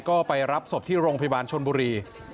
ก็ไปรับศพที่โรงพยาบาลชนบุรี